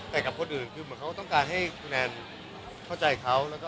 แต่กับคนอื่นเค้าต้องการให้แมนเข้าใจเค้า